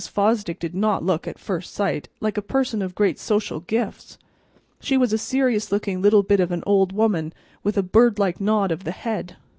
Fosdick did not look, at first sight, like a person of great social gifts. She was a serious looking little bit of an old woman, with a birdlike nod of the head.